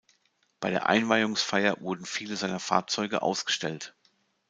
Bei der Einweihungsfeier wurden viele seiner Fahrzeuge ausgestellt.